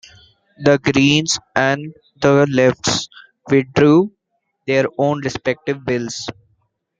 The Greens and The Left withdrew their own respective bills.